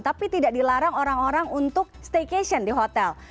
tapi tidak dilarang orang orang untuk staycation di hotel